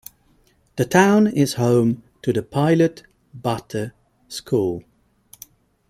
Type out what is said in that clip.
The town is home to the Pilot Butte School.